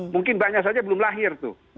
mungkin banyak saja belum lahir tuh